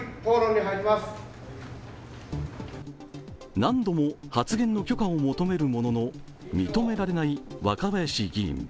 何度も発言の許可を求めるものの、認められない若林議員。